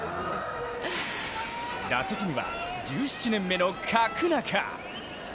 打席には１７年目の角中。